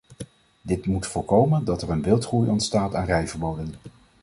Dit moet voorkomen dat er een wildgroei ontstaat aan rijverboden.